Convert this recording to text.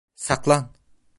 Saklan!